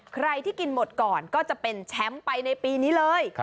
ใครที่กินหมดก่อนก็จะเป็นแชมป์ไปในปีนี้เลย